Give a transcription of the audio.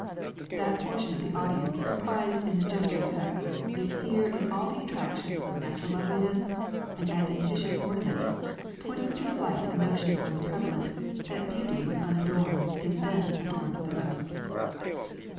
That portion of the audience comprised in the gentler sex is here in all the attraction of natural loveliness and adventitious ornament, putting to flight a notion once prevalent, that beauty when unadorned is then adorned the most.